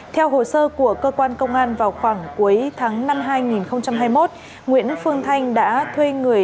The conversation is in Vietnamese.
theo hồ sơ của cơ quan công an vào khoảng cuối tháng năm hai nghìn hai mươi một nguyễn phương thanh đã thuê người